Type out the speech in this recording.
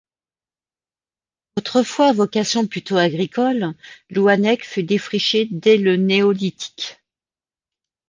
Autrefois à vocation plutôt agricole, Louannec fut défrichée dès le Néolithique.